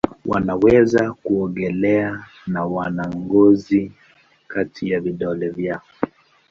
Wanaweza kuogelea na wana ngozi kati ya vidole vyao.